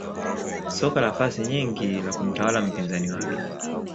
Soka la pasi nyingi la kumtawala mpinzani wake